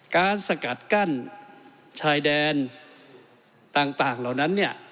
สกัดกั้นชายแดนต่างเหล่านั้นเนี่ย